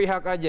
ini pihak aja